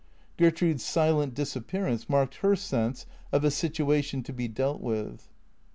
Gertrude's silent dis appearance marked her sense of a situation to be dealt with.